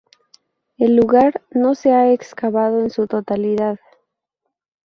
El lugar no se ha excavado en su totalidad.